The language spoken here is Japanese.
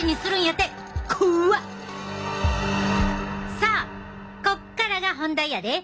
さあこっからが本題やで！